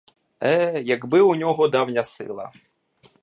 Е, якби у нього давня сила!